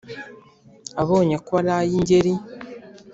Abonye ko ari ay' Ingeri,